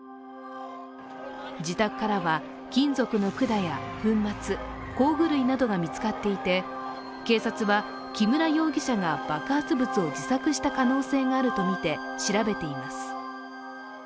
自宅からは金属の管や粉末、工具類などが見つかっていて警察は木村容疑者が爆発物を自作した可能性があるとみて調べています。